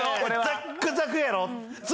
ザックザクやろ？